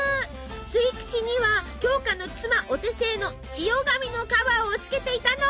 吸い口には鏡花の妻お手製の千代紙のカバーをつけていたの。